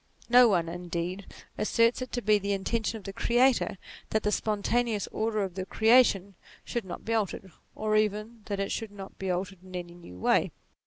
No one, indeed, asserts it to be the intention of the Creator that the spontaneous order of the creation should not be altered, or even that it should not be altered in any new way.